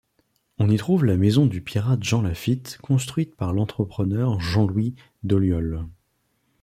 On y trouve la maison du pirate Jean Lafitte construite par l'entrepreneur Jean-Louis Dolliole.